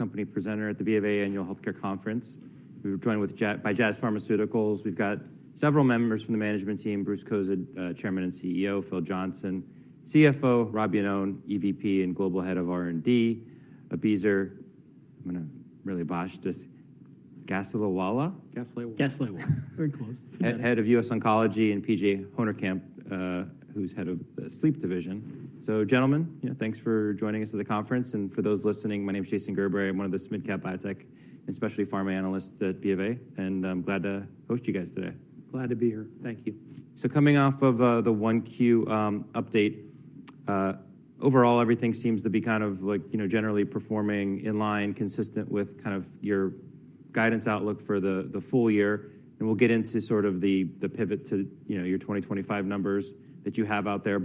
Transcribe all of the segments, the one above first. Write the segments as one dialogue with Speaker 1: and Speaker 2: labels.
Speaker 1: Company presenter at the BofA Annual Healthcare Conference. We were joined by Jazz Pharmaceuticals. We've got several members from the management team, Bruce Cozadd, Chairman and CEO, Phil Johnson, CFO, Rob Iannone, EVP and Global Head of R&D, Abiezer, I'm gonna really botch this, Gazzola?
Speaker 2: Gazzola.
Speaker 3: Gazzola. Very close.
Speaker 1: Head, Head of U.S. Oncology, and P.J. Honerkamp, who's Head of Sleep Division. So gentlemen, you know, thanks for joining us for the conference, and for those listening, my name is Jason Gerber. I'm one of the mid-cap biotech and specialty pharma analysts at BofA, and I'm glad to host you guys today.
Speaker 3: Glad to be here. Thank you.
Speaker 1: So coming off of the 1Q update, overall everything seems to be kind of like, you know, generally performing in line, consistent with kind of your guidance outlook for the full year. We'll get into sort of the pivot to, you know, your 2025 numbers that you have out there.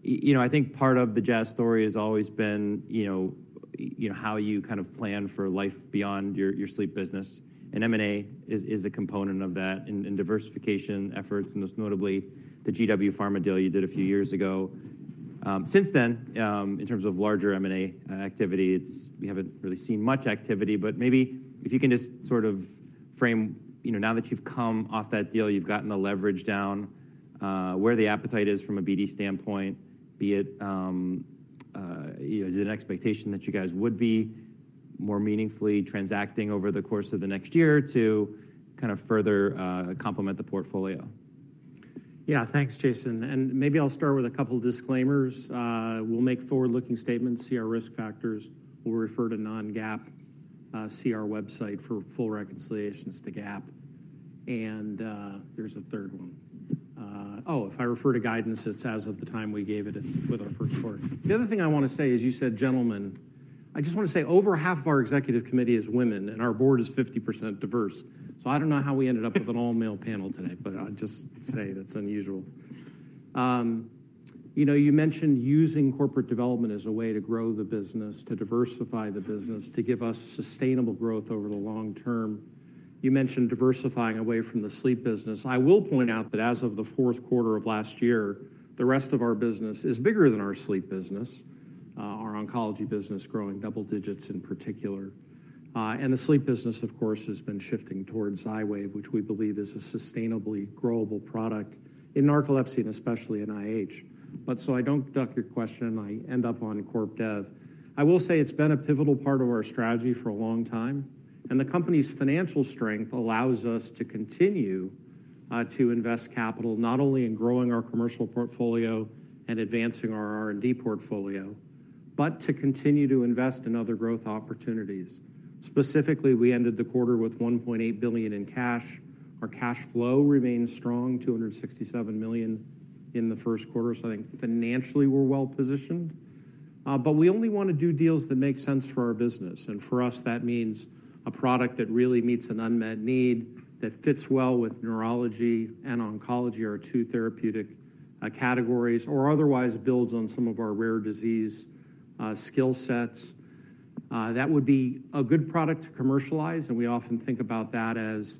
Speaker 1: But you know, I think part of the Jazz story has always been, you know, you know, how you kind of plan for life beyond your sleep business. And M&A is a component of that, and diversification efforts, and most notably, the GW Pharma deal you did a few years ago. Since then, in terms of larger M&A activity, we haven't really seen much activity, but maybe if you can just sort of frame, you know, now that you've come off that deal, you've gotten the leverage down, where the appetite is from a BD standpoint, be it, is it an expectation that you guys would be more meaningfully transacting over the course of the next year to kind of further complement the portfolio?
Speaker 3: Yeah, thanks, Jason. And maybe I'll start with a couple of disclaimers. We'll make forward-looking statements, see our risk factors. We'll refer to non-GAAP, see our website for full reconciliations to GAAP. And there's a third one. Oh, if I refer to guidance, it's as of the time we gave it at, with our first quarter. The other thing I want to say is, you said, gentlemen, I just want to say over half of our executive committee is women, and our board is 50% diverse. So I don't know how we ended up with an all-male panel today, but I'll just say that's unusual. You know, you mentioned using corporate development as a way to grow the business, to diversify the business, to give us sustainable growth over the long term. You mentioned diversifying away from the sleep business. I will point out that as of the fourth quarter of last year, the rest of our business is bigger than our sleep business, our oncology business growing double digits in particular. And the sleep business, of course, has been shifting towards Xywav, which we believe is a sustainably growable product in narcolepsy and especially in IH. But so I don't duck your question, I end up on corp dev. I will say it's been a pivotal part of our strategy for a long time, and the company's financial strength allows us to continue, to invest capital, not only in growing our commercial portfolio and advancing our R&D portfolio, but to continue to invest in other growth opportunities. Specifically, we ended the quarter with $1.8 billion in cash. Our cash flow remains strong, $267 million in the first quarter, so I think financially, we're well-positioned. But we only want to do deals that make sense for our business, and for us, that means a product that really meets an unmet need, that fits well with neurology and oncology, our two therapeutic categories, or otherwise builds on some of our rare disease skill sets. That would be a good product to commercialize, and we often think about that as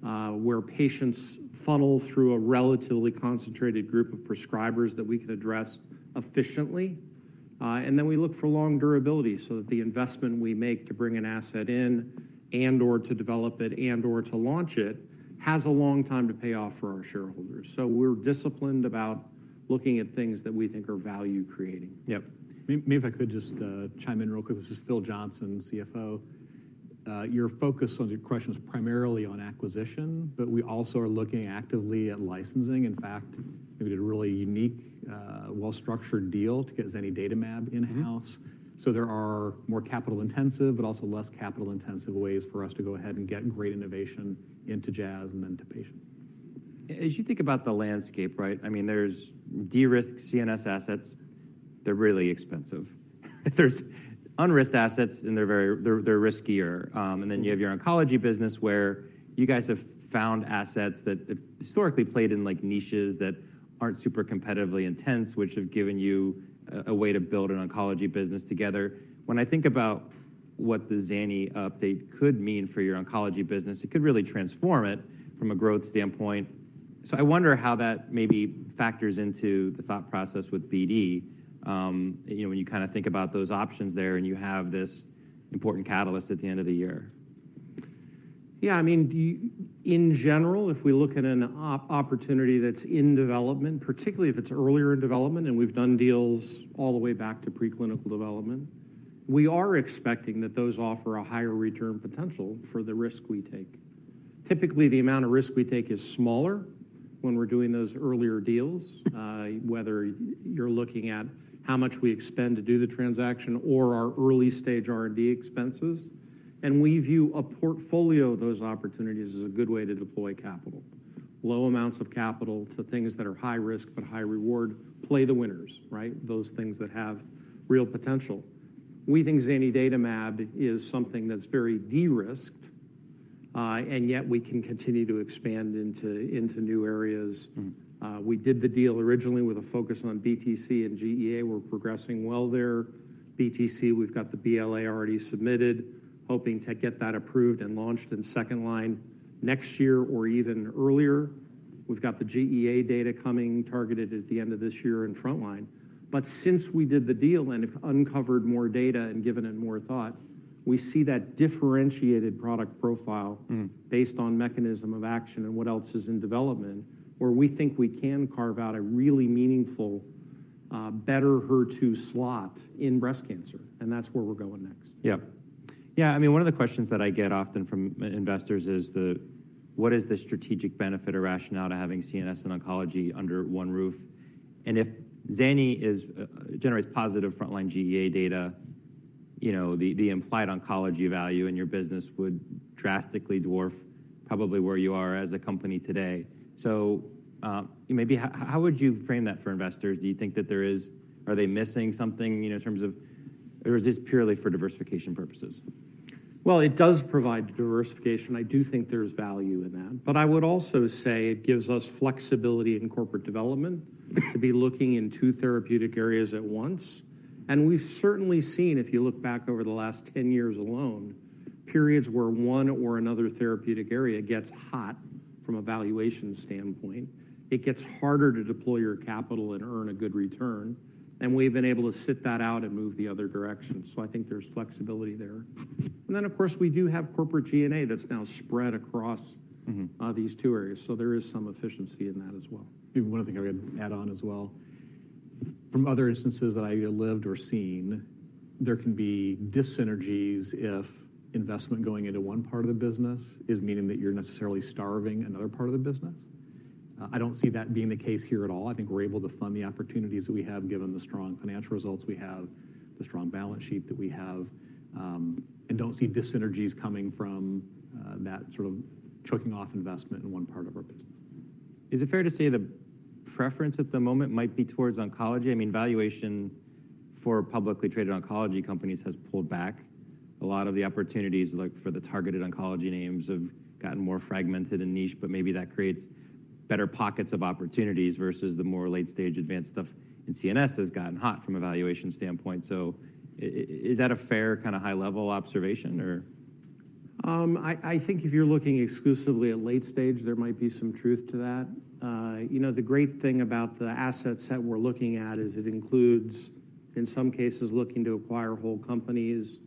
Speaker 3: where patients funnel through a relatively concentrated group of prescribers that we can address efficiently. And then we look for long durability so that the investment we make to bring an asset in and/or to develop it and/or to launch it, has a long time to pay off for our shareholders. We're disciplined about looking at things that we think are value-creating.
Speaker 2: Yep. Maybe if I could just chime in real quick. This is Phil Johnson, CFO. Your focus on your question is primarily on acquisition, but we also are looking actively at licensing. In fact, we did a really unique, well-structured deal to get zanidatamab in-house.
Speaker 3: Mm-hmm.
Speaker 2: There are more capital-intensive but also less capital-intensive ways for us to go ahead and get great innovation into Jazz and then to patients.
Speaker 1: As you think about the landscape, right? I mean, there's de-risk CNS assets. They're really expensive. There's unrisked assets, and they're very riskier. And then you have your oncology business, where you guys have found assets that have historically played in like niches that aren't super competitively intense, which have given you a way to build an oncology business together. When I think about what the Zani update could mean for your oncology business, it could really transform it from a growth standpoint. So I wonder how that maybe factors into the thought process with BD, you know, when you kind of think about those options there, and you have this important catalyst at the end of the year.
Speaker 3: Yeah, I mean, do you in general, if we look at an opportunity that's in development, particularly if it's earlier in development and we've done deals all the way back to preclinical development, we are expecting that those offer a higher return potential for the risk we take. Typically, the amount of risk we take is smaller when we're doing those earlier deals, whether you're looking at how much we expend to do the transaction or our early-stage R&D expenses, and we view a portfolio of those opportunities as a good way to deploy capital. Low amounts of capital to things that are high risk but high reward, play the winners, right? Those things that have real potential. We think zanidatamab is something that's very de-risked, and yet we can continue to expand into new areas.
Speaker 1: Mm-hmm.
Speaker 3: We did the deal originally with a focus on BTC and GEA. We're progressing well there. BTC, we've got the BLA already submitted, hoping to get that approved and launched in second line next year or even earlier. We've got the GEA data coming targeted at the end of this year in frontline. But since we did the deal and have uncovered more data and given it more thought, we see that differentiated product profile-
Speaker 1: Mm.
Speaker 3: -based on mechanism of action and what else is in development, where we think we can carve out a really meaningful, better HER2 slot in breast cancer, and that's where we're going next.
Speaker 1: Yeah. Yeah, I mean, one of the questions that I get often from investors is, what is the strategic benefit or rationale to having CNS and oncology under one roof? And if ZANI generates positive frontline GEA data, you know, the implied oncology value in your business would drastically dwarf probably where you are as a company today. So, maybe how would you frame that for investors? Do you think that there is? Are they missing something, you know, in terms of, or is this purely for diversification purposes?
Speaker 3: Well, it does provide diversification. I do think there's value in that. But I would also say it gives us flexibility in corporate development to be looking in two therapeutic areas at once. And we've certainly seen, if you look back over the last 10 years alone, periods where one or another therapeutic area gets hot from a valuation standpoint. It gets harder to deploy your capital and earn a good return, and we've been able to sit that out and move the other direction. So I think there's flexibility there. And then, of course, we do have corporate G&A that's now spread across-
Speaker 1: Mm-hmm...
Speaker 3: these two areas, so there is some efficiency in that as well.
Speaker 2: Maybe one other thing I'm gonna add on as well. From other instances that I either lived or seen, there can be dyssynergies if investment going into one part of the business is meaning that you're necessarily starving another part of the business. I don't see that being the case here at all. I think we're able to fund the opportunities that we have, given the strong financial results we have, the strong balance sheet that we have, and don't see dyssynergies coming from that sort of choking off investment in one part of our business.
Speaker 1: Is it fair to say the preference at the moment might be towards oncology? I mean, valuation for publicly traded oncology companies has pulled back. A lot of the opportunities, like for the targeted oncology names, have gotten more fragmented and niche, but maybe that creates better pockets of opportunities versus the more late-stage advanced stuff, and CNS has gotten hot from a valuation standpoint. So is that a fair, kinda, high-level observation, or?
Speaker 3: I think if you're looking exclusively at late stage, there might be some truth to that. You know, the great thing about the assets that we're looking at is it includes, in some cases, looking to acquire whole companies,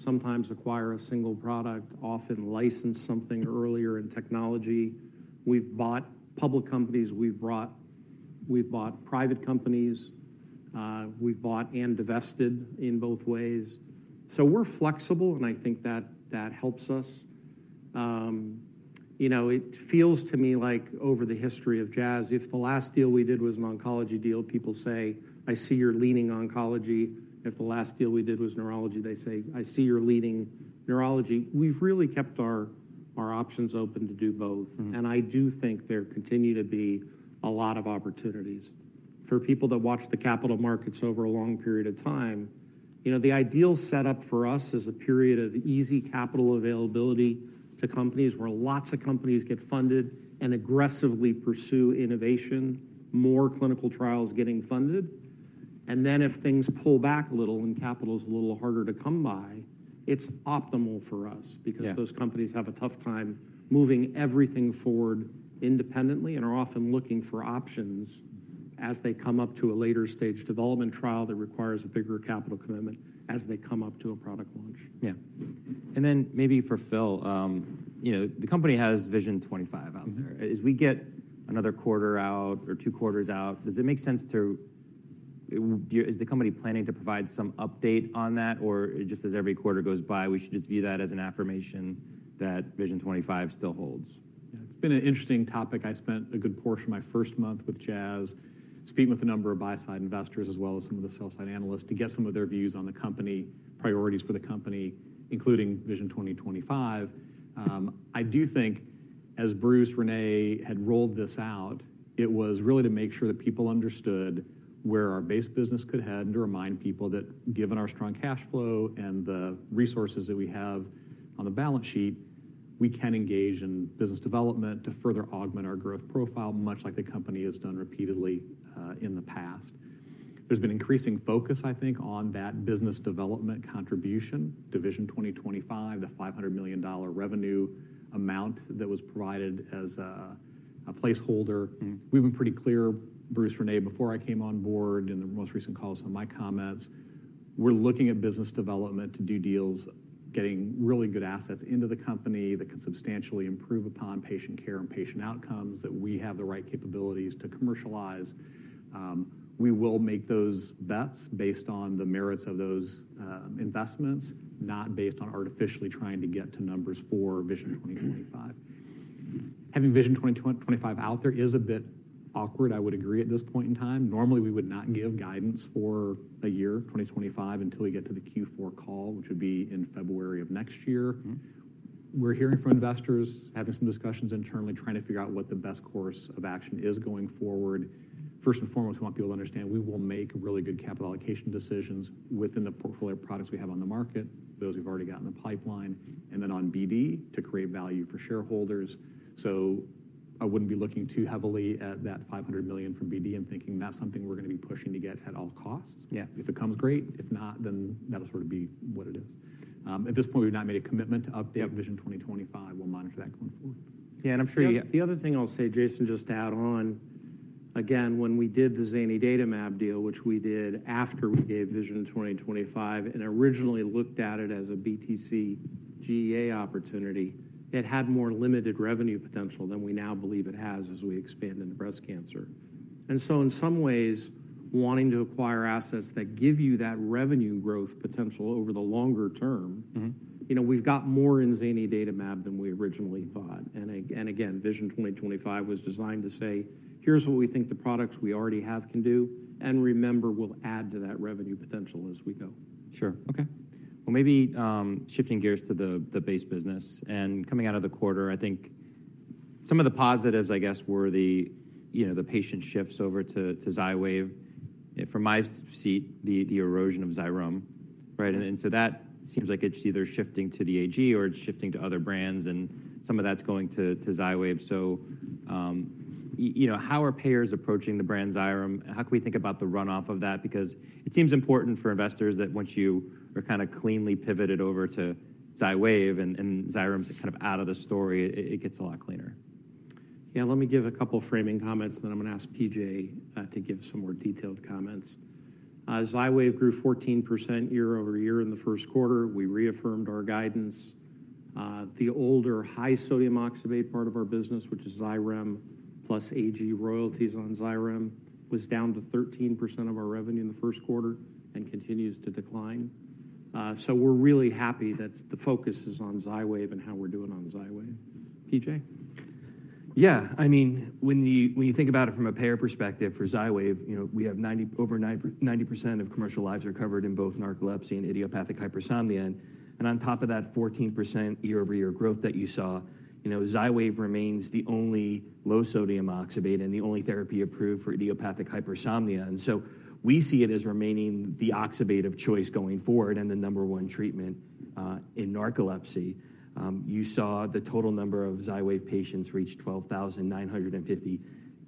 Speaker 3: sometimes acquire a single product, often license something earlier in technology. We've bought public companies, we've bought private companies, we've bought and divested in both ways. So we're flexible, and I think that helps us. You know, it feels to me like over the history of Jazz, if the last deal we did was an oncology deal, people say, "I see you're leaning oncology." If the last deal we did was neurology, they say, "I see you're leaning neurology." We've really kept our options open to do both.
Speaker 1: Mm.
Speaker 3: I do think there continue to be a lot of opportunities. For people that watch the capital markets over a long period of time, you know, the ideal setup for us is a period of easy capital availability to companies, where lots of companies get funded and aggressively pursue innovation, more clinical trials getting funded. Then if things pull back a little and capital is a little harder to come by, it's optimal for us-
Speaker 1: Yeah...
Speaker 3: because those companies have a tough time moving everything forward independently and are often looking for options as they come up to a later stage development trial that requires a bigger capital commitment as they come up to a product launch.
Speaker 1: Yeah. And then maybe for Phil, you know, the company has Vision 25 out there.
Speaker 2: Mm-hmm.
Speaker 1: As we get another quarter out or two quarters out, does it make sense to? Is the company planning to provide some update on that, or just as every quarter goes by, we should just view that as an affirmation that Vision 25 still holds?
Speaker 2: Yeah. It's been an interesting topic. I spent a good portion of my first month with Jazz speaking with a number of buy-side investors, as well as some of the sell-side analysts, to get some of their views on the company, priorities for the company, including Vision 2025. I do think as Bruce and Renee had rolled this out, it was really to make sure that people understood where our base business could head and to remind people that given our strong cash flow and the resources that we have on the balance sheet, we can engage in business development to further augment our growth profile, much like the company has done repeatedly, in the past. There's been increasing focus, I think, on that business development contribution, Vision 2025, the $500 million revenue amount that was provided as a placeholder.
Speaker 1: Mm-hmm.
Speaker 2: We've been pretty clear, Bruce, Renee, before I came on board, in the most recent calls on my comments, we're looking at business development to do deals, getting really good assets into the company that can substantially improve upon patient care and patient outcomes that we have the right capabilities to commercialize. We will make those bets based on the merits of those, investments, not based on artificially trying to get to numbers for Vision 2025. Having Vision 2025 out there is a bit awkward, I would agree, at this point in time. Normally, we would not give guidance for a year, 2025, until we get to the Q4 call, which would be in February of next year.
Speaker 1: Mm-hmm.
Speaker 2: We're hearing from investors, having some discussions internally, trying to figure out what the best course of action is going forward. First and foremost, we want people to understand we will make really good capital allocation decisions within the portfolio of products we have on the market, those we've already got in the pipeline.... and then on BD to create value for shareholders. I wouldn't be looking too heavily at that $500 million from BD and thinking that's something we're gonna be pushing to get at all costs.
Speaker 1: Yeah.
Speaker 2: If it comes, great. If not, then that'll sort of be what it is. At this point, we've not made a commitment to update-
Speaker 1: Yeah...
Speaker 2: Vision 2025. We'll monitor that going forward.
Speaker 1: Yeah, and I'm sure you-
Speaker 3: The other thing I'll say, Jason, just to add on, again, when we did the Zanidatamab deal, which we did after we gave Vision 2025, and originally looked at it as a BTC GEA opportunity, it had more limited revenue potential than we now believe it has as we expand into breast cancer. And so in some ways, wanting to acquire assets that give you that revenue growth potential over the longer term-
Speaker 1: Mm-hmm...
Speaker 3: you know, we've got more in Zanidatamab than we originally thought. And and again, Vision 2025 was designed to say, "Here's what we think the products we already have can do, and remember, we'll add to that revenue potential as we go.
Speaker 1: Sure. Okay. Well, maybe, shifting gears to the base business, and coming out of the quarter, I think some of the positives, I guess, were the, you know, the patient shifts over to Xywav. From my seat, the erosion of Xyrem, right?
Speaker 3: Mm-hmm.
Speaker 1: And so that seems like it's either shifting to the AG or it's shifting to other brands, and some of that's going to Xywav. So, you know, how are payers approaching the brand Xyrem? How can we think about the runoff of that? Because it seems important for investors that once you are kinda cleanly pivoted over to Xywav and Xyrem's kind of out of the story, it gets a lot cleaner.
Speaker 3: Yeah, let me give a couple framing comments, then I'm gonna ask PJ to give some more detailed comments. Xywav grew 14% year-over-year in the first quarter. We reaffirmed our guidance. The older high sodium oxybate part of our business, which is Xyrem, plus AG royalties on Xyrem, was down to 13% of our revenue in the first quarter and continues to decline. So we're really happy that the focus is on Xywav and how we're doing on Xywav. PJ?
Speaker 4: Yeah, I mean, when you, when you think about it from a payer perspective, for Xywav, you know, we have over 90% of commercial lives covered in both narcolepsy and idiopathic hypersomnia. And on top of that, 14% year-over-year growth that you saw, you know, Xywav remains the only low-sodium oxybate and the only therapy approved for idiopathic hypersomnia. And so we see it as remaining the oxybate of choice going forward and the number one treatment in narcolepsy. You saw the total number of Xywav patients reach 12,950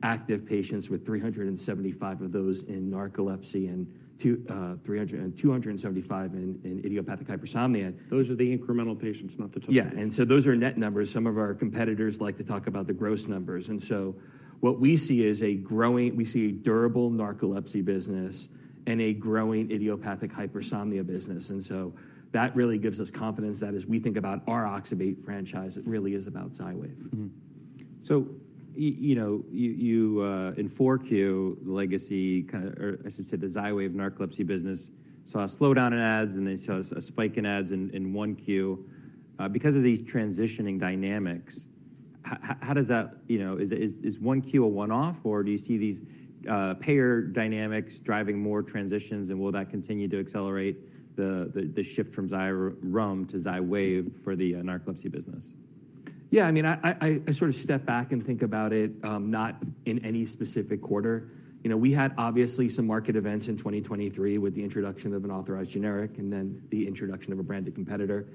Speaker 4: active patients, with 375 of those in narcolepsy and 275 in idiopathic hypersomnia.
Speaker 3: Those are the incremental patients, not the total.
Speaker 4: Yeah, and so those are net numbers. Some of our competitors like to talk about the gross numbers, and so what we see is a durable narcolepsy business and a growing idiopathic hypersomnia business. That really gives us confidence that as we think about our oxybate franchise, it really is about Xywav.
Speaker 1: Mm-hmm. So you know, you, you, in 4Q, legacy or I should say the Xywav narcolepsy business, saw a slowdown in ads, and they saw a spike in ads in 1Q. Because of these transitioning dynamics, how does that, you know... Is 1Q a one-off, or do you see these payer dynamics driving more transitions, and will that continue to accelerate the shift from Xyrem to Xywav for the narcolepsy business?
Speaker 4: Yeah, I mean, I sort of step back and think about it, not in any specific quarter. You know, we had obviously some market events in 2023 with the introduction of an authorized generic and then the introduction of a branded competitor.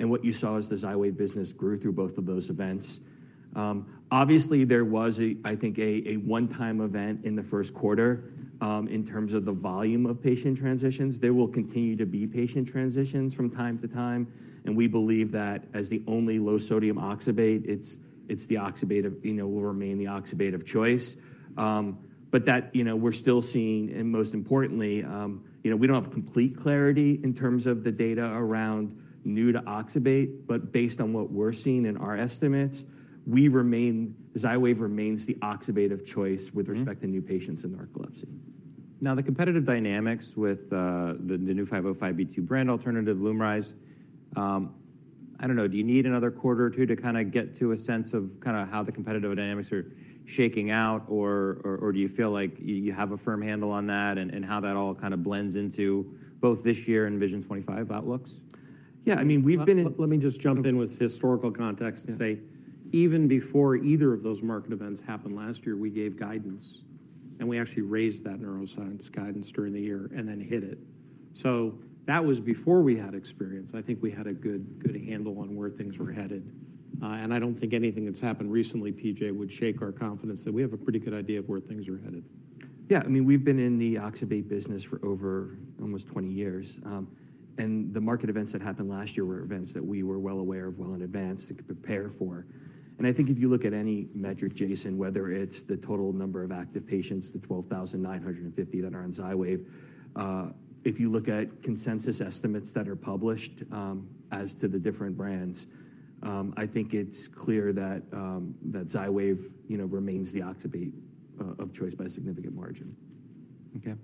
Speaker 4: And what you saw is the XYWAV business grew through both of those events. Obviously, there was, I think, a one-time event in the first quarter, in terms of the volume of patient transitions. There will continue to be patient transitions from time to time, and we believe that as the only low-sodium oxybate, it's the oxybate, you know, will remain the oxybate of choice. But that, you know, we're still seeing, and most importantly, you know, we don't have complete clarity in terms of the data around new to oxybate, but based on what we're seeing in our estimates, we remain— Xywav remains the oxybate of choice with-
Speaker 1: Mm-hmm
Speaker 4: ...with respect to new patients in narcolepsy.
Speaker 1: Now, the competitive dynamics with the new 505(b)(2) brand alternative, Lumryz, I don't know, do you need another quarter or two to kind of get to a sense of kind of how the competitive dynamics are shaking out, or do you feel like you have a firm handle on that and how that all kind of blends into both this year and Vision 2025 outlooks?
Speaker 4: Yeah, I mean, we've been in-
Speaker 3: Let me just jump in with historical context-
Speaker 4: Yeah...
Speaker 3: and say, even before either of those market events happened last year, we gave guidance, and we actually raised that neuroscience guidance during the year and then hit it. So that was before we had experience. I think we had a good, good handle on where things were headed, and I don't think anything that's happened recently, PJ, would shake our confidence that we have a pretty good idea of where things are headed.
Speaker 4: Yeah, I mean, we've been in the oxybate business for over almost 20 years, and the market events that happened last year were events that we were well aware of well in advance and could prepare for. And I think if you look at any metric, Jason, whether it's the total number of active patients, the 12,950 that are on Xywav, if you look at consensus estimates that are published, as to the different brands, I think it's clear that, that Xywav, you know, remains the oxybate of choice by a significant margin.
Speaker 1: Okay.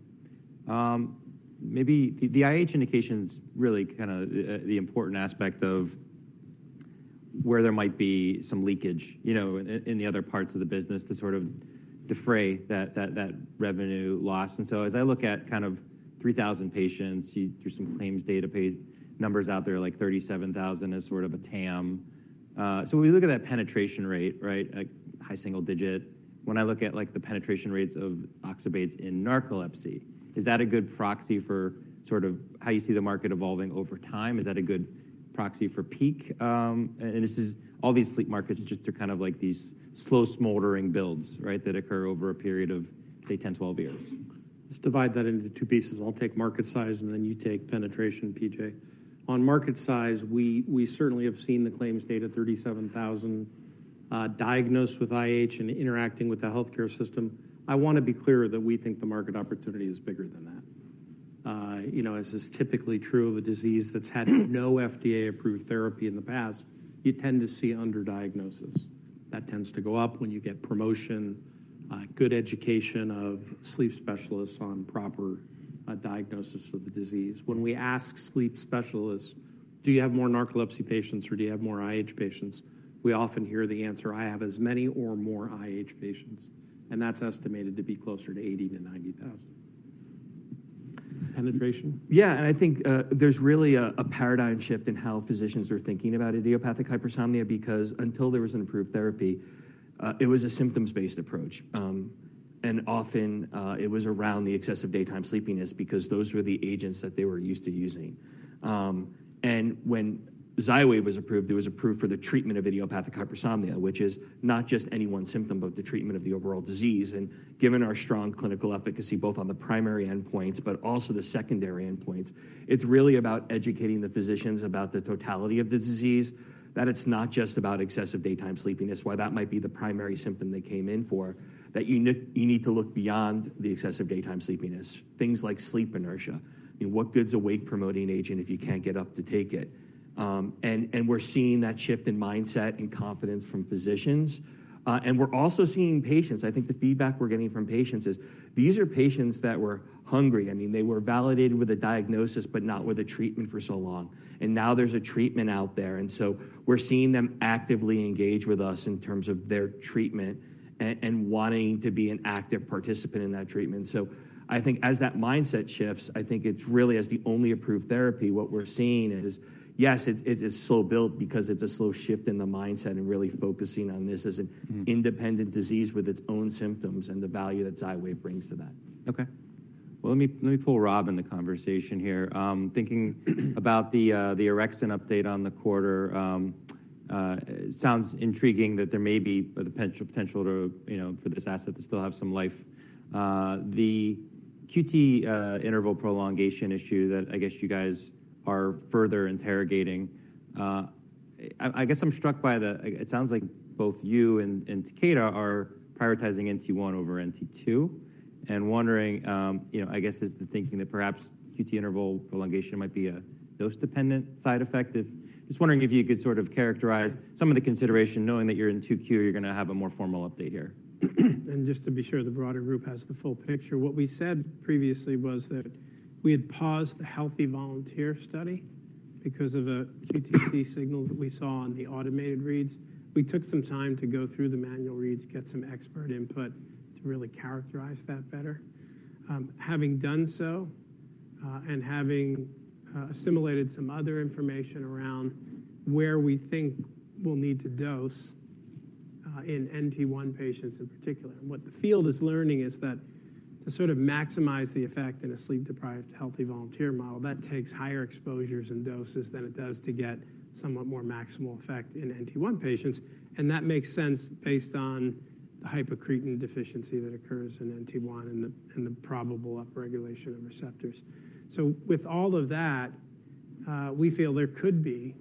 Speaker 1: Maybe the IH indication's really kinda the important aspect of where there might be some leakage, you know, in the other parts of the business to sort of defray that revenue loss. And so as I look at kind of 3,000 patients, there's some claims database numbers out there, like 37,000 is sort of a TAM. So when we look at that penetration rate, right, like high single digit, when I look at, like, the penetration rates of oxybates in narcolepsy, is that a good proxy for sort of how you see the market evolving over time? Is that a good proxy for peak? And this is, all these sleep markets are just, they're kind of like these slow, smoldering builds, right, that occur over a period of, say, 10, 12 years.
Speaker 5: Let's divide that into two pieces. I'll take market size, and then you take penetration, PJ. On market size, we, we certainly have seen the claims data, 37,000 diagnosed with IH and interacting with the healthcare system. I want to be clear that we think the market opportunity is bigger than that. You know, as is typically true of a disease that's had no FDA-approved therapy in the past, you tend to see underdiagnosis. That tends to go up when you get promotion, good education of sleep specialists on proper diagnosis of the disease. When we ask sleep specialists: Do you have more narcolepsy patients, or do you have more IH patients? We often hear the answer: I have as many or more IH patients, and that's estimated to be closer to 80,000-90,000. Penetration?
Speaker 4: Yeah, and I think, there's really a paradigm shift in how physicians are thinking about idiopathic hypersomnia because until there was an approved therapy, it was a symptoms-based approach. And often, it was around the excessive daytime sleepiness because those were the agents that they were used to using. And when Xywav was approved, it was approved for the treatment of idiopathic hypersomnia, which is not just any one symptom, but the treatment of the overall disease. And given our strong clinical efficacy, both on the primary endpoints but also the secondary endpoints, it's really about educating the physicians about the totality of the disease, that it's not just about excessive daytime sleepiness. While that might be the primary symptom they came in for, that you need to look beyond the excessive daytime sleepiness, things like sleep inertia. I mean, what good's a wake-promoting agent if you can't get up to take it? And we're seeing that shift in mindset and confidence from physicians, and we're also seeing patients. I think the feedback we're getting from patients is, these are patients that were hungry. I mean, they were validated with a diagnosis but not with a treatment for so long, and now there's a treatment out there, and so we're seeing them actively engage with us in terms of their treatment and wanting to be an active participant in that treatment. So I think as that mindset shifts, I think it's really, as the only approved therapy, what we're seeing is, yes, it's slow built because it's a slow shift in the mindset and really focusing on this as an-
Speaker 5: Mm-hmm...
Speaker 4: independent disease with its own symptoms and the value that Xywav brings to that.
Speaker 1: Okay. Well, let me pull Rob in the conversation here. Thinking about the Orexin update on the quarter, it sounds intriguing that there may be the potential to, you know, for this asset to still have some life. The QT interval prolongation issue that I guess you guys are further interrogating, I guess I'm struck by the... It sounds like both you and Takeda are prioritizing NT1 over NT2. And wondering, you know, I guess, is the thinking that perhaps QT interval prolongation might be a dose-dependent side effect? If. Just wondering if you could sort of characterize some of the consideration, knowing that you're in 2Q, you're gonna have a more formal update here.
Speaker 5: Just to be sure the broader group has the full picture, what we said previously was that we had paused the healthy volunteer study because of a QTc signal that we saw on the automated reads. We took some time to go through the manual reads, get some expert input to really characterize that better. Having done so, and having assimilated some other information around where we think we'll need to dose, in NT-1 patients in particular. What the field is learning is that to sort of maximize the effect in a sleep-deprived, healthy volunteer model, that takes higher exposures and doses than it does to get somewhat more maximal effect in NT-1 patients, and that makes sense based on the hypocretin deficiency that occurs in NT-1 and the, and the probable upregulation of receptors. So with all of that, we feel there could be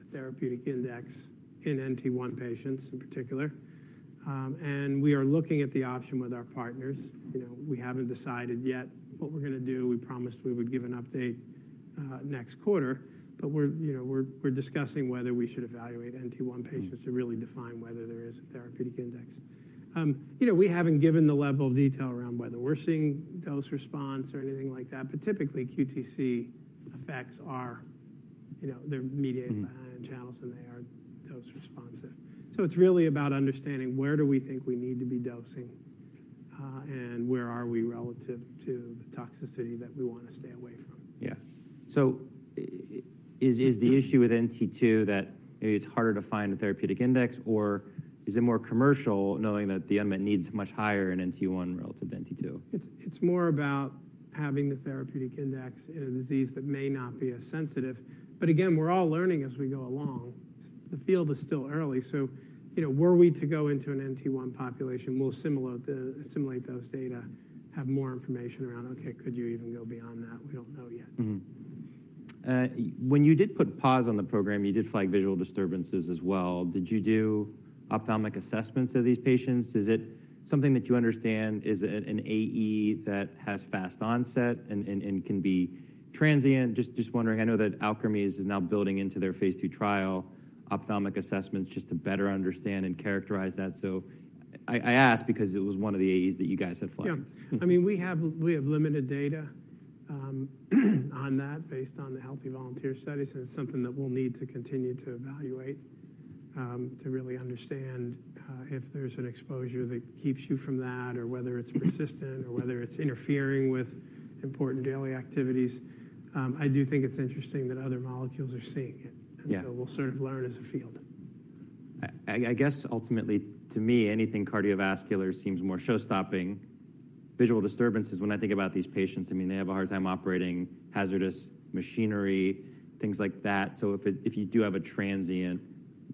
Speaker 5: a therapeutic index in NT-one patients in particular, and we are looking at the option with our partners. You know, we haven't decided yet what we're gonna do. We promised we would give an update next quarter, but you know, we're discussing whether we should evaluate NT-one patients-
Speaker 1: Mm-hmm...
Speaker 5: to really define whether there is a therapeutic index. You know, we haven't given the level of detail around whether we're seeing dose response or anything like that, but typically, QTC effects are, you know, they're mediated-
Speaker 1: Mm-hmm...
Speaker 5: by ion channels, and they are dose responsive. So it's really about understanding where do we think we need to be dosing, and where are we relative to the toxicity that we wanna stay away from?
Speaker 1: Yeah. So is the issue with NT-two that maybe it's harder to find a therapeutic index, or is it more commercial, knowing that the unmet need is much higher in NT-one relative to NT-two?
Speaker 5: It's more about having the therapeutic index in a disease that may not be as sensitive. But again, we're all learning as we go along. The field is still early, so, you know, were we to go into an NT-one population, we'll assimilate those data, have more information around, okay, could you even go beyond that? We don't know yet.
Speaker 1: Mm-hmm. When you did put pause on the program, you did flag visual disturbances as well. Did you do ophthalmic assessments of these patients? Is it something that you understand is an AE that has fast onset and can be transient? Just wondering. I know that Alkermes is now building into their phase II trial, ophthalmic assessments, just to better understand and characterize that. So I asked because it was one of the AEs that you guys had flagged.
Speaker 5: Yeah.
Speaker 1: Mm-hmm.
Speaker 5: I mean, we have limited data on that based on the healthy volunteer studies, and it's something that we'll need to continue to evaluate to really understand if there's an exposure that keeps you from that or whether it's persistent or whether it's interfering with important daily activities. I do think it's interesting that other molecules are seeing it.
Speaker 1: Yeah.
Speaker 5: And so we'll sort of learn as a field....
Speaker 1: I guess ultimately to me, anything cardiovascular seems more showstopping. Visual disturbances, when I think about these patients, I mean, they have a hard time operating hazardous machinery, things like that. So if you do have a transient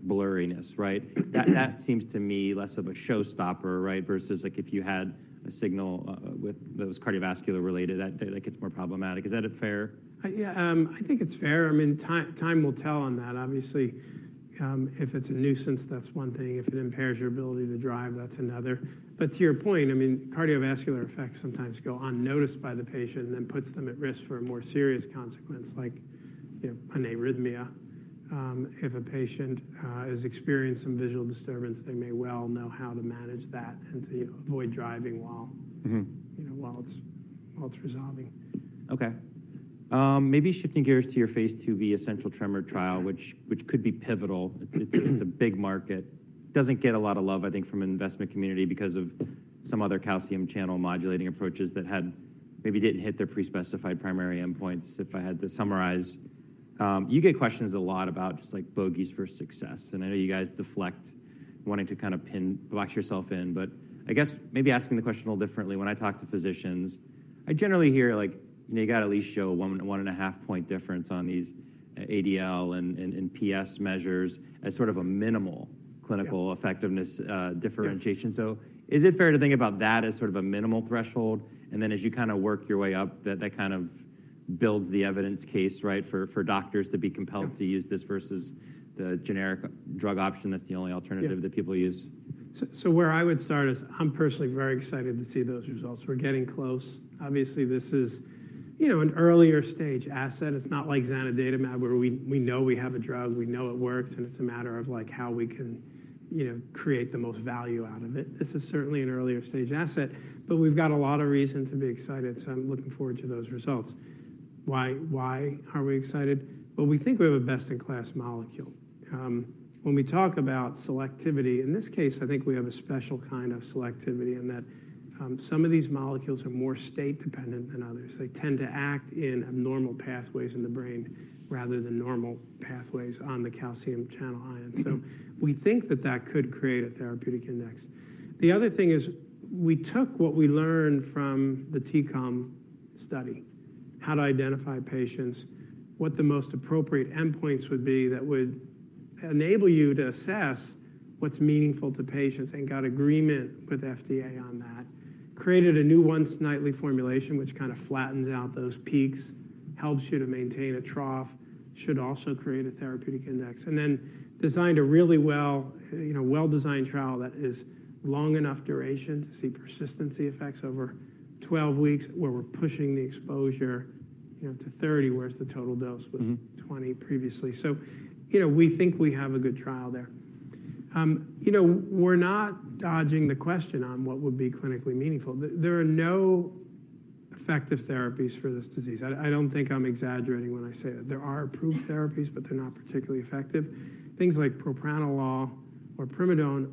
Speaker 1: blurriness, right? That seems to me less of a showstopper, right? Versus like if you had a signal with that was cardiovascular related, that gets more problematic. Is that a fair?
Speaker 5: Yeah, I think it's fair. I mean, time, time will tell on that. Obviously, if it's a nuisance, that's one thing. If it impairs your ability to drive, that's another. But to your point, I mean, cardiovascular effects sometimes go unnoticed by the patient and then puts them at risk for a more serious consequence, like, you know, an arrhythmia. If a patient has experienced some visual disturbance, they may well know how to manage that and to avoid driving while-
Speaker 1: Mm-hmm.
Speaker 5: You know, while it's, while it's resolving.
Speaker 1: Okay. Maybe shifting gears to your phase IIb essential tremor trial, which could be pivotal. It's a big market. Doesn't get a lot of love, I think, from an investment community because of some other calcium channel modulating approaches that had... maybe didn't hit their pre-specified primary endpoints, if I had to summarize. You get questions a lot about just like bogeys for success, and I know you guys deflect wanting to kind of pin-- box yourself in, but I guess maybe asking the question a little differently, when I talk to physicians, I generally hear, like, "You know, you got to at least show a 1, 1.5-point difference on these ADL and PS measures as sort of a minimal-
Speaker 5: Yeah.
Speaker 1: -clinical effectiveness, differentiation.
Speaker 5: Yeah.
Speaker 1: So is it fair to think about that as sort of a minimal threshold? And then as you kind of work your way up, that, that kind of builds the evidence case, right, for, for doctors to be compelled-
Speaker 5: Yeah
Speaker 1: ...to use this versus the generic drug option that's the only alternative-
Speaker 5: Yeah
Speaker 1: that people use?
Speaker 5: So, so where I would start is, I'm personally very excited to see those results. We're getting close. Obviously, this is, you know, an earlier stage asset. It's not like Xanodatumab, where we, we know we have a drug, we know it works, and it's a matter of, like, how we can, you know, create the most value out of it. This is certainly an earlier stage asset, but we've got a lot of reason to be excited, so I'm looking forward to those results. Why, why are we excited? Well, we think we have a best-in-class molecule. When we talk about selectivity, in this case, I think we have a special kind of selectivity in that, some of these molecules are more state-dependent than others. They tend to act in abnormal pathways in the brain rather than normal pathways on the calcium channel ion. So we think that that could create a therapeutic index. The other thing is, we took what we learned from the T-CALM study, how to identify patients, what the most appropriate endpoints would be that would enable you to assess what's meaningful to patients and got agreement with FDA on that, created a new once-nightly formulation, which kind of flattens out those peaks, helps you to maintain a trough, should also create a therapeutic index, and then designed a really well, you know, well-designed trial that is long enough duration to see persistency effects over 12 weeks, where we're pushing the exposure, you know, to 30, whereas the total dose-
Speaker 1: Mm-hmm...
Speaker 5: was 20 previously. So, you know, we think we have a good trial there. You know, we're not dodging the question on what would be clinically meaningful. There, there are no effective therapies for this disease. I, I don't think I'm exaggerating when I say that. There are approved therapies, but they're not particularly effective. Things like propranolol or primidone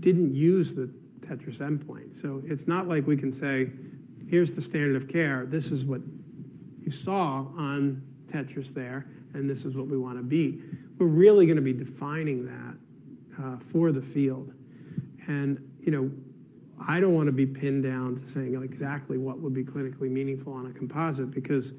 Speaker 5: didn't use the TETRAS endpoint. So it's not like we can say, "Here's the standard of care. This is what you saw on TETRAS there, and this is what we wanna be." We're really gonna be defining that, for the field. And, you know, I don't wanna be pinned down to saying exactly what would be clinically meaningful on a composite, because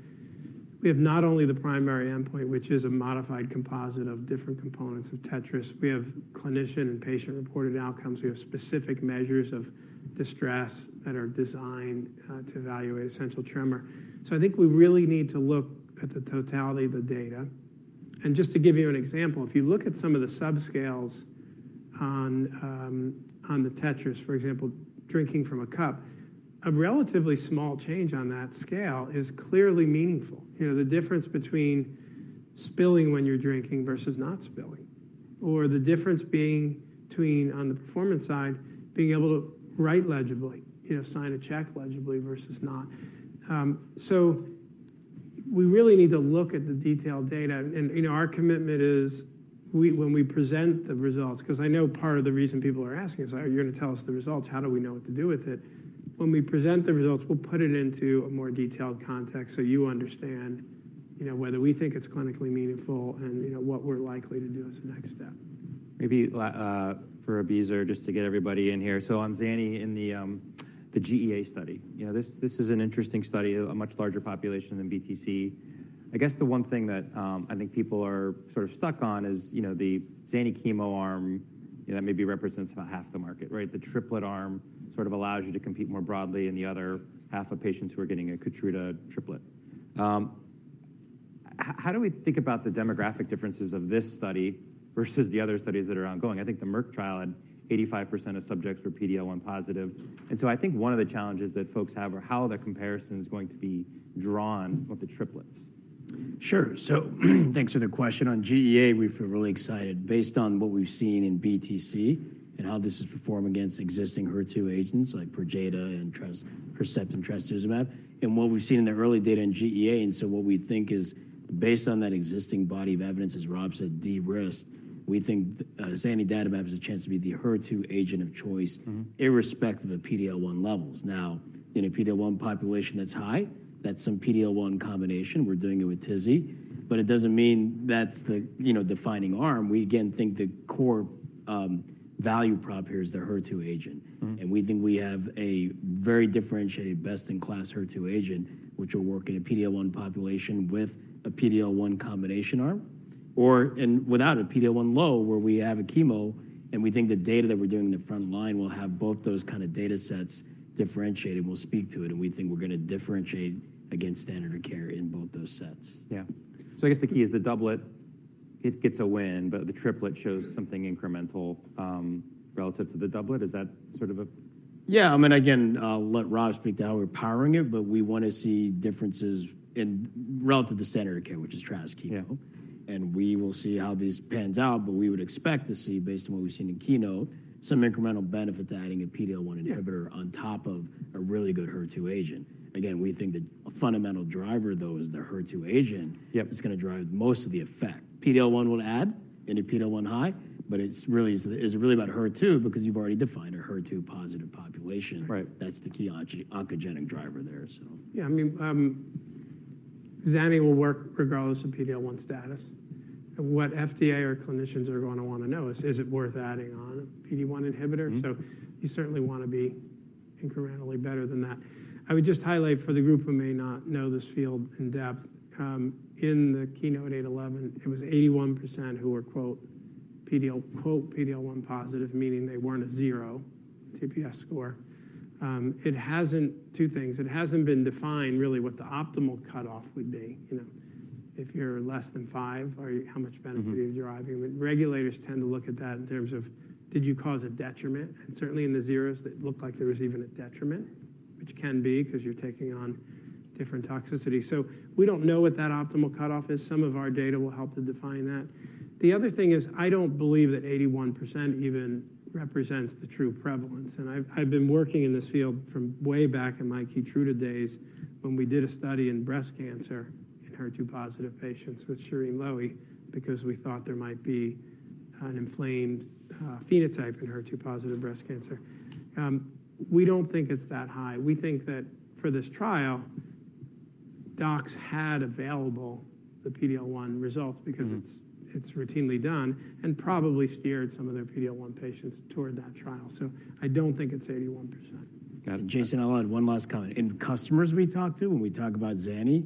Speaker 5: we have not only the primary endpoint, which is a modified composite of different components of TETRAS, we have clinician and patient-reported outcomes. We have specific measures of distress that are designed to evaluate essential tremor. So I think we really need to look at the totality of the data. Just to give you an example, if you look at some of the subscales on the TETRAS, for example, drinking from a cup, a relatively small change on that scale is clearly meaningful. You know, the difference between spilling when you're drinking versus not spilling, or the difference being between, on the performance side, being able to write legibly, you know, sign a check legibly versus not. So we really need to look at the detailed data, and, you know, our commitment is when we present the results, because I know part of the reason people are asking is, "Are you gonna tell us the results? How do we know what to do with it?" When we present the results, we'll put it into a more detailed context so you understand, you know, whether we think it's clinically meaningful and, you know, what we're likely to do as a next step.
Speaker 1: Maybe later for a breather, just to get everybody in here. So on Zani, in the GEA study, you know, this is an interesting study, a much larger population than BTC. I guess the one thing that I think people are sort of stuck on is, you know, the Zani chemo arm, you know, that maybe represents about half the market, right? The triplet arm sort of allows you to compete more broadly in the other half of patients who are getting a Keytruda triplet. How do we think about the demographic differences of this study versus the other studies that are ongoing? I think the Merck trial had 85% of subjects were PD-L1 positive. And so I think one of the challenges that folks have are how the comparison is going to be drawn with the triplets.
Speaker 6: Sure. Thanks for the question. On GEA, we feel really excited. Based on what we've seen in BTC and how this has performed against existing HER2 agents like Perjeta and Herceptin and trastuzumab, and what we've seen in the early data in GEA, and so what we think is based on that existing body of evidence, as Rob said, de-risked, we think, xanidatamab has a chance to be the HER2 agent of choice-
Speaker 1: Mm-hmm...
Speaker 6: irrespective of PD-L1 levels. Now, in a PD-L1 population that's high, that's some PD-L1 combination. We're doing it with tislelizumab
Speaker 1: Mm-hmm.
Speaker 6: We think we have a very differentiated, best-in-class HER2 agent, which will work in a PD-L1 population with a PD-L1 combination arm... or and without a PD-L1 low, where we have a chemo, and we think the data that we're doing in the front line will have both those kind of data sets differentiated. We'll speak to it, and we think we're gonna differentiate against standard of care in both those sets.
Speaker 1: Yeah. So I guess the key is the doublet, it gets a win, but the triplet shows something incremental, relative to the doublet. Is that sort of a-
Speaker 6: Yeah, I mean, again, I'll let Rob speak to how we're powering it, but we wanna see differences in relative to standard of care, which is KEYNOTE-811.
Speaker 1: Yeah.
Speaker 6: And we will see how this pans out, but we would expect to see, based on what we've seen in keynote, some incremental benefit to adding a PD-L1 inhibitor.
Speaker 1: Yeah
Speaker 6: on top of a really good HER2 agent. Again, we think the fundamental driver, though, is the HER2 agent.
Speaker 1: Yep.
Speaker 6: It's gonna drive most of the effect. PD-L1 will add in a PD-L1 high, but it's really, really about HER2, because you've already defined a HER2 positive population.
Speaker 1: Right.
Speaker 6: That's the key oncogenic driver there, so.
Speaker 5: Yeah, I mean, Zani will work regardless of PD-L1 status. What FDA or clinicians are gonna wanna know is, is it worth adding on a PD-1 inhibitor?
Speaker 6: Mm-hmm.
Speaker 5: So you certainly wanna be incrementally better than that. I would just highlight for the group who may not know this field in depth, in the KEYNOTE-811, it was 81% who were, quote, "PD-L1 positive," meaning they weren't a 0 TPS score. It hasn't been defined really what the optimal cutoff would be. You know, if you're less than 5, or how much benefit-
Speaker 6: Mm-hmm...
Speaker 5: are you driving? Regulators tend to look at that in terms of, did you cause a detriment? And certainly in the zeros, it looked like there was even a detriment, which can be because you're taking on different toxicity. So we don't know what that optimal cutoff is. Some of our data will help to define that. The other thing is, I don't believe that 81% even represents the true prevalence, and I've been working in this field from way back in my Keytruda days when we did a study in breast cancer, in HER2 positive patients with Sherene Loi, because we thought there might be an inflamed phenotype in HER2 positive breast cancer. We don't think it's that high. We think that for this trial, docs had available the PD-L1 results-
Speaker 6: Mm-hmm...
Speaker 5: because it's, it's routinely done and probably steered some of their PD-L1 patients toward that trial. So I don't think it's 81%.
Speaker 1: Got it.
Speaker 6: Jason, I'll add one last comment. In customers we talk to, when we talk about Zani,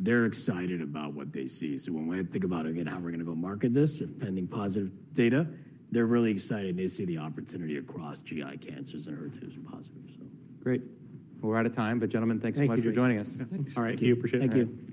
Speaker 6: they're excited about what they see. So when we think about, again, how we're gonna go market this, if pending positive data, they're really excited. They see the opportunity across GI cancers and HER2s positive, so.
Speaker 1: Great. We're out of time, but, gentlemen, thanks so much for joining us.
Speaker 5: Thank you.
Speaker 6: Thanks.
Speaker 1: All right. We appreciate it.
Speaker 5: Thank you.